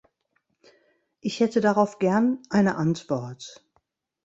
Ich hätte darauf gern eine Antwort.